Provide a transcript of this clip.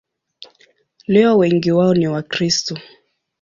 Leo wengi wao ni Wakristo.